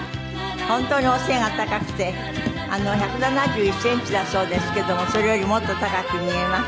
本当にお背が高くて１７１センチだそうですけどもそれよりもっと高く見えます。